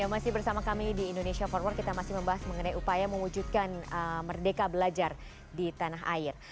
ya masih bersama kami di indonesia forward kita masih membahas mengenai upaya mewujudkan merdeka belajar di tanah air